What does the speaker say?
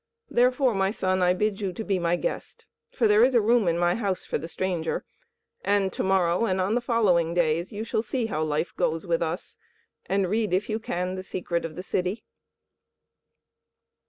Therefore, my son, I bid you to be my guest, for there is a room in my house for the stranger; and to morrow and on the following days you shall see how life goes with us, and read, if you can, the secret of the city."